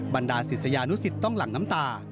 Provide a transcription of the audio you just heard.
บรรดาศิษยานุสิตต้องหลั่งน้ำตา